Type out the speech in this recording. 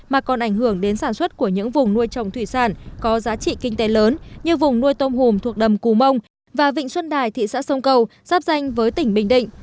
mà còn ảnh hưởng đến sản xuất của những vùng nuôi trồng thủy sản có giá trị kinh tế lớn như vùng nuôi tôm hùm thuộc đầm cù mông và vịnh xuân đài thị xã sông cầu giáp danh với tỉnh bình định